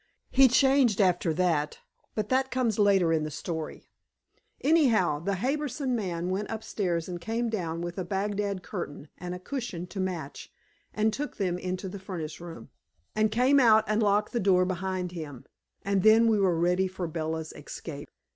He changed after that, but that comes later in the story. Anyhow, the Harbison man went upstairs and came down with a Bagdad curtain and a cushion to match, and took them into the furnace room, and came out and locked the door behind him, and then we were ready for Bella's escape.